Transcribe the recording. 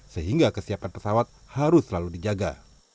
sehingga kesiapan pesawat harus selalu dijaga